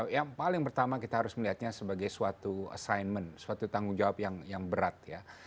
yang paling pertama kita harus melihatnya sebagai suatu assignment suatu tanggung jawab yang berat ya